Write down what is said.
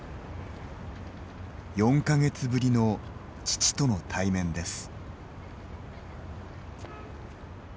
４か月ぶりの、父との対面です。